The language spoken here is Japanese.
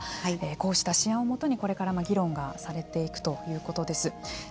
こうした試案をもとにこれから議論がされていくということです。